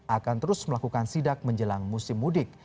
akan terus melakukan sidak menjelang musim mudik